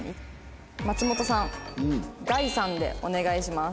松本さん凱さんでお願いします。